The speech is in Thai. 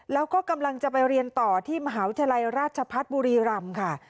แล้วก็กำลังจะไปเรียนต่อที่มหาวิทยาลัยราชพัฒน์บุรีรำค่ะ